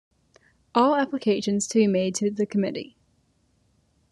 All applications to be made to the committee.